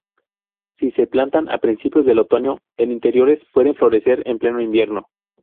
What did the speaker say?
Si se plantan a principios del otoño en interiores pueden florecer en pleno invierno.